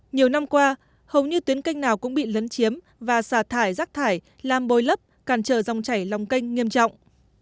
nhiều năm qua hầu như tuyến kênh nào cũng bị lấn chiếm và xả thải rác thải làm bôi lấp càn trở dòng chảy lòng kênh nghiêm trọng